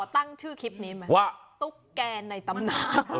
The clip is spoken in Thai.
ตั้งชื่อคลิปนี้ไหมว่าตุ๊กแกในตำนาน